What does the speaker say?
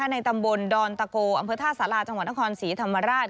ในตำบลดอนตะโกอำเภอท่าสาราจังหวัดนครศรีธรรมราช